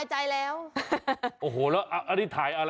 เชื่อขึ้นเร็ว